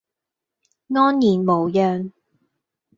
安然無恙